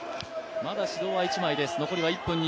まだ指導は１枚です。